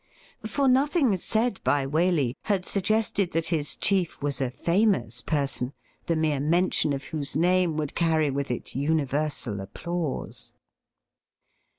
For nothing said by Waley had suggested that his chief was a famous person, the mere mention of whose name would carry with it universal applause.